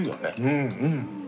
うんうん。